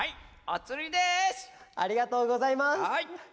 ありがとうございます。